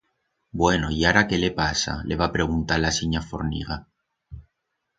Bueno y ara qué le pasa, le va preguntar la sinya Forniga.